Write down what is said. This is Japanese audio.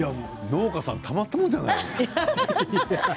農家さんたまったもんじゃないよね。